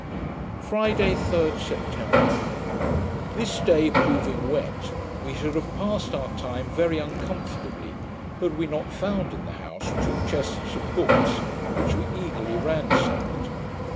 Friday, 3d September This day proving wet, we should have passed our time very uncomfortably, had we not found in the house two chests of books, which we eagerly ransacked.